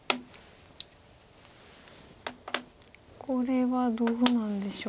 これはどうなんでしょう。